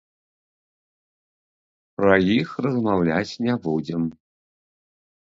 Пра іх размаўляць не будзем.